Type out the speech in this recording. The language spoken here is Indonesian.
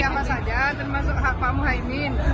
siapa saja termasuk hak pamu haimin